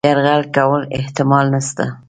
یرغل کولو احتمال نسته.